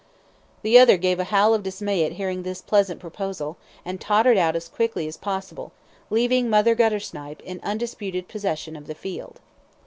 The other gave a howl of dismay at hearing this pleasant proposal, and tottered out as quickly as possible, leaving Mother Guttersnipe in undisputed possession of the field.